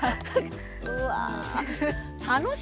うわ。